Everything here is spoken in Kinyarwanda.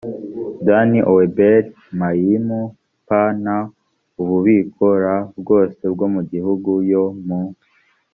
dani o abeli mayimu p n ububiko r bwose bwo mu migi yo mu